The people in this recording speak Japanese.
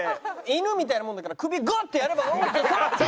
犬みたいなもんだから首グッとやればウッて。